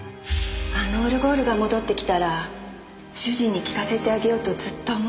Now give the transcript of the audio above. あのオルゴールが戻ってきたら主人に聴かせてあげようとずっと思っていました。